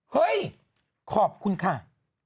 เฮ้ยขอบคุณค่ะ